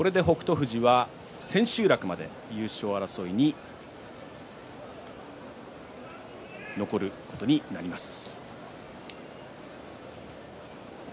富士はこれで千秋楽まで優勝争いに残ることになります。